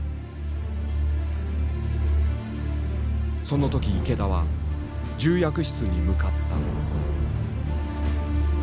その時池田は重役室に向かった。